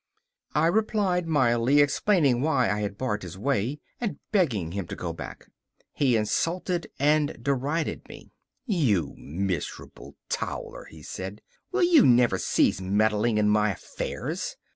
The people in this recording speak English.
I replied mildly, explaining why I had barred his way, and begging him to go back. He insulted and derided me. 'You miserable towler,' he said, 'will you never cease meddling in my affairs?